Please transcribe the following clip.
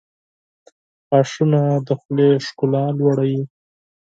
• غاښونه د خولې ښکلا لوړوي.